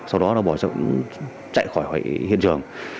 sau đó bỏ rốn chạy khỏi hiện trường